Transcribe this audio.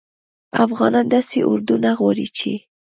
افغانان داسي اردو نه غواړي چې